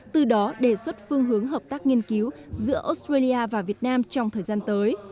từ đó đề xuất phương hướng hợp tác nghiên cứu giữa australia và việt nam trong thời gian tới